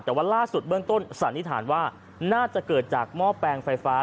แต่ว่าล่าสุดเบื้องต้นสันนิษฐานว่าน่าจะเกิดจากหม้อแปลงไฟฟ้า